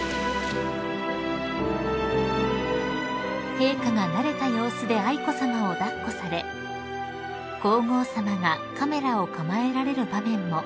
［陛下が慣れた様子で愛子さまを抱っこされ皇后さまがカメラを構えられる場面も］